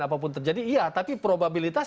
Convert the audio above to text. apapun terjadi iya tapi probabilitas